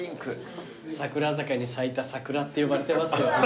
さくら坂に咲いた桜って呼ばれてますよ。